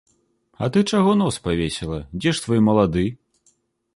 А ты чаго нос павесіла, дзе ж твой малады?